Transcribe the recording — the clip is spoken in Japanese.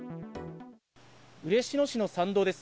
嬉野市の山道です。